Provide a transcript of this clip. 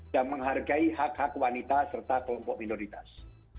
menghargai hak hak wanita serta kelompok minoritas